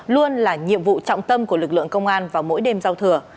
luôn là nhiệm vụ trọng tâm của lực lượng công an vào mỗi đêm giao thừa